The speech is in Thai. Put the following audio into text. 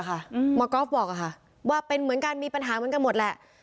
หมอก็บอกว่าเป็นเหมือนการมีปัญหาเหมือนกันหมด